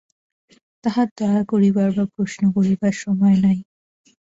তাহার দয়া করিবার বা প্রশ্ন করিবার সময় নাই।